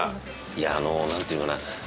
いやあのなんていうのかな。